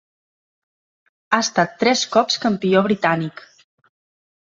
Ha estat tres cops Campió britànic.